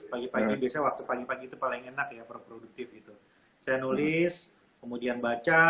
pagi pagi biasanya waktu pagi pagi itu paling enak ya produktif itu saya nulis kemudian baca